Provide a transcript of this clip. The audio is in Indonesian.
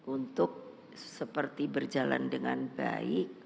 untuk seperti berjalan dengan baik